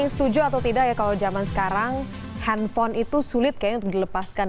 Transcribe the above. setuju atau tidak ya kalau zaman sekarang handphone itu sulit kayaknya untuk dilepaskan